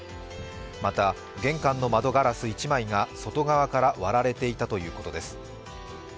また、玄関の窓ガラス１枚が外側から割られていたということです。